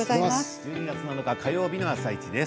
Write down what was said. １２月７日火曜日の「あさイチ」です。